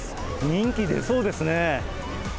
人気出そうですね。